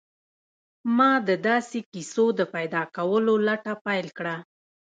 ما د داسې کيسو د پيدا کولو لټه پيل کړه.